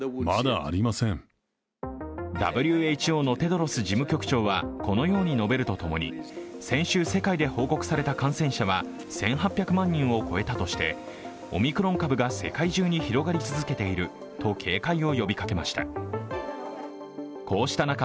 ＷＨＯのテドロス事務局長はこのように述べると共に先週、世界で報告された感染者は１８００万人を超えたとしてオミクロン株が世界中に広がり続けていると警戒を呼びかけました。